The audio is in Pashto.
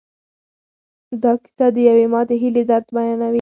دا کیسه د یوې ماتې هیلې درد بیانوي.